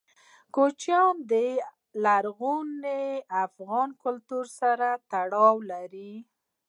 کوچیان د لرغوني افغان کلتور سره تړاو لري.